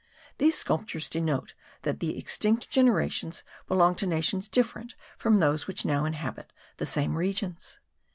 These sculptures denote that the extinct generations belonged to nations different from those which now inhabit the same regions.